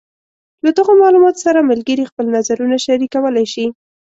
له دغو معلوماتو سره ملګري خپل نظرونه شریکولی شي.